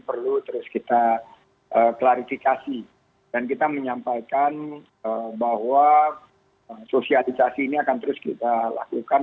perlu terus kita klarifikasi dan kita menyampaikan bahwa sosialisasi ini akan terus kita lakukan